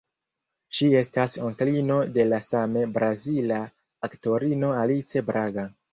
Ŝi estas onklino de la same brazila aktorino Alice Braga.